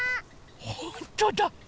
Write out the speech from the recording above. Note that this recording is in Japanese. ほんとだ！